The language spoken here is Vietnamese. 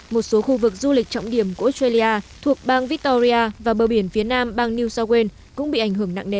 một số khu vực du lịch trọng điểm của australia thuộc bang victoria và bờ biển phía nam bang new south wales cũng bị ảnh hưởng nặng nề